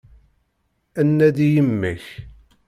Ad d-nnadi yemma-k.